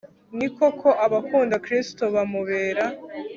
ni koko, abakunda kristu bamubera